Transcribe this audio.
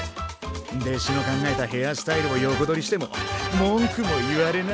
でしの考えたヘアスタイルを横取りしても文句も言われない。